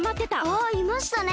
ああいましたね。